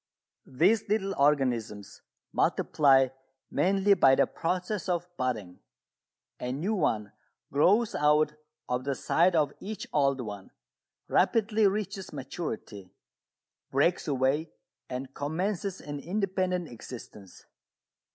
These little organisms multiply mainly by the process of "budding." A new one grows out of the side of each old one, rapidly reaches maturity, breaks away and commences an independent existence.